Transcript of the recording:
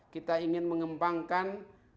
kita ingin mengembangkan lima g